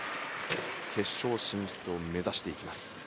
決勝進出を目指していきます。